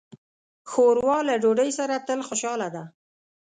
ښوروا له ډوډۍ سره تل خوشاله ده.